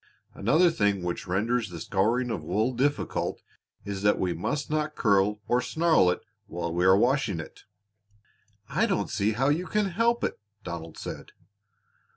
Another thing which renders the scouring of wool difficult is that we must not curl or snarl it while we are washing it." "I don't see how you can help it," Donald said.